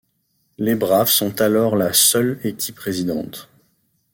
Les Braves sont alors la seule équipe résidente.